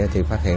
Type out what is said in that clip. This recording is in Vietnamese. thì phát hiện